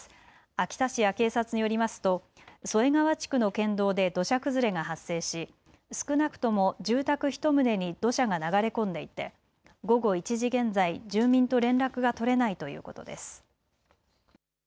秋田市や警察によりますと添川地区の県道で土砂崩れが発生し少なくとも住宅１棟に土砂が流れ込んでいて午後１時現在、住民と連絡が取れないということです。